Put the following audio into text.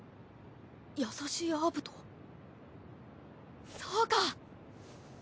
優しいアブトそうか！